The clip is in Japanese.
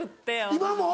今も？